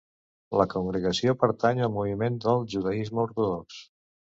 La congregació pertany al moviment del judaisme ortodox.